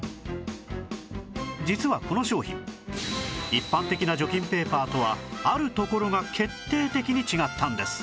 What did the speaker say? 実はこの商品一般的な除菌ペーパーとはあるところが決定的に違ったんです